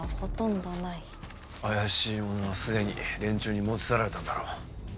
怪しいものはすでに連中に持ち去られたんだろ。